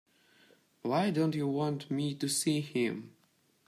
Why don't you want me to see him?